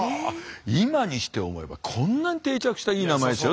今にして思えばこんなに定着したいい名前ですよ。